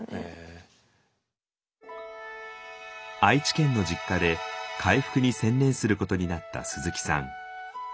愛知県の実家で回復に専念することになった鈴木さん。